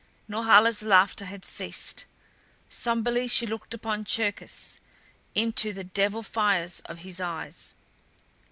Norhala's laughter had ceased. Somberly she looked upon Cherkis, into the devil fires of his eyes.